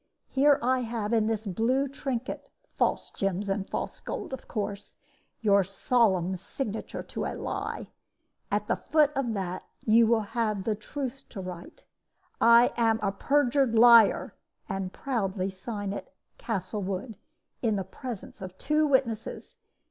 Here I have, in this blue trinket (false gems and false gold, of course), your solemn signature to a lie. At the foot of that you will have the truth to write, "I am a perjured liar!" and proudly sign it "Castlewood," in the presence of two witnesses.